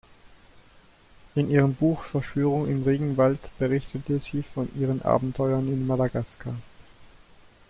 In ihrem Buch "Verschwörung im Regenwald" berichtet sie von ihren Abenteuern in Madagaskar.